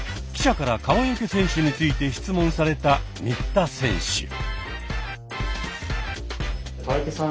記者から川除選手について質問された新田選手。